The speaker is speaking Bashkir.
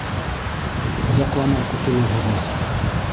— Оҙаҡламай ҡотолорһоғоҙ.